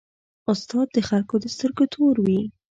استاد د خلکو د سترګو تور وي.